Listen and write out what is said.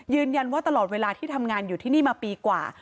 ยืนยันว่าตลอดเวลาที่ทำงานอยู่ที่นี่มาปีกว่า